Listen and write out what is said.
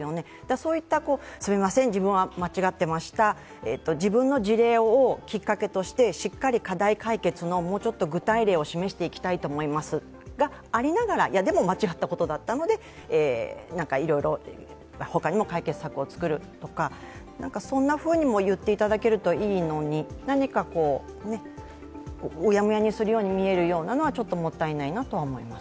そういった、すみません、自分は間違っていました、自分の事例をきっかけとしてしっかり課題解決のもうちょっと具体例を示していきたいと思いますがありながら、でも間違ったことだったのでいろいろ他にも解決策を作るとか、そんなふうにも言っていただけるといいのに、何かうやむやにするように見えるのはちょっともったいないとは思います。